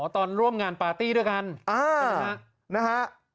ตอนร่วมงานปาร์ตี้ด้วยกันนะฮะ